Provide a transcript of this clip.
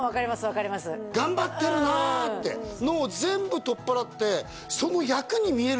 分かります頑張ってるなってのを全部取っ払ってああ